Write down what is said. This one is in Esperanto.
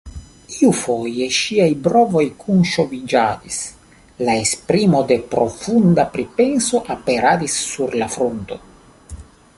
Iufoje ŝiaj brovoj kunŝoviĝadis, la esprimo de profunda pripenso aperadis sur la frunto.